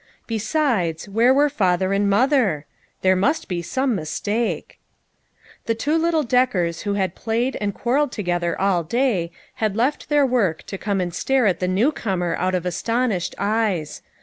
Besides, where were father and mother? There must be some mistake. The two little Deckers who had played and quarreled together all day had left their work to come and stare at the new comer out of as tonished eyes.